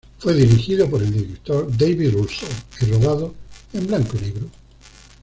Fue dirigido por el director David Rousseau y rodado en blanco y negro.